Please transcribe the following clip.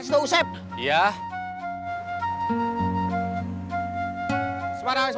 semangat semangat semangat